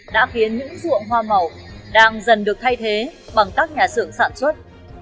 đã khiến những ruộng hoa màu đang dần được thay thế bằng các nhà xưởng sản xuất